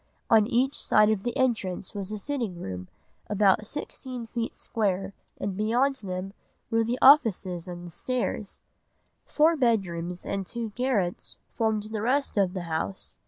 On each side of the entrance was a sitting room about sixteen feet square and beyond them were the offices and the stairs. Four bedrooms and two garrets formed the rest of the house.